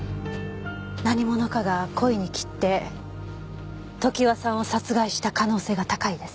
何者かが故意に切って常盤さんを殺害した可能性が高いです。